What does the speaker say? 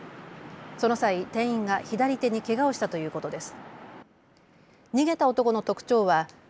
その際、店員が左手にけがをしたということです。